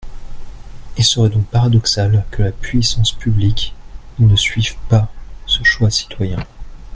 Il serait donc paradoxal que la puissance publique ne suive pas ce choix citoyen.